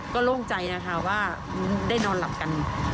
ก็โล่งใจแล้วค่ะว่าได้นอนหลับกัน